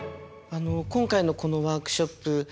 今回のこのワークショップ